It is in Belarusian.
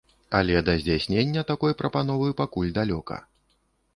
Але да здзяйснення такой прапановы пакуль далёка.